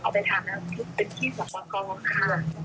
เอาไปทำนะพี่เป็นที่สอบประกอบค่ะ